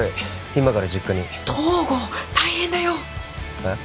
今から実家に東郷大変だよえっ？